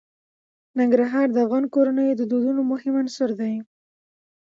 ننګرهار د افغان کورنیو د دودونو مهم عنصر دی.